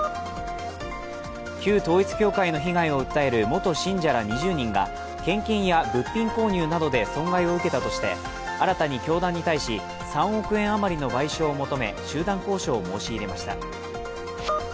旧統一教会の被害を訴える元信者ら２０人が献金や物品購入などで損害を受けたとして新たに教団に対し３億円余りの賠償を求め、集団交渉を申し入れました。